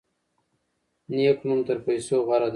نیک نوم تر پیسو غوره دی.